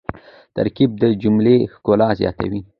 ترکیب د جملې ښکلا زیاتوي.